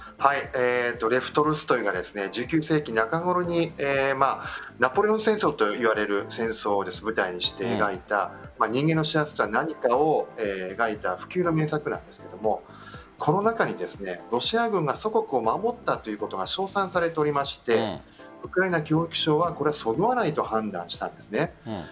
トルストイが１９世紀中ごろにナポレオン戦争といわれる戦争を舞台にして描いた人間の幸せとは何かを描いた不朽の名作なんですけどもこの中にロシア軍が祖国を守ったということが賞賛されていましてウクライナ教育省はそぐわないと判断したんです。